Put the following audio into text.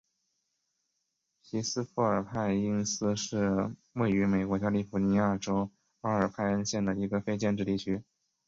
皮斯富尔派因斯是位于美国加利福尼亚州阿尔派恩县的一个非建制地区。